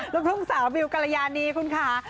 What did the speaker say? ลูกทุ่งสาวบิวกรยานีคุณค่ะ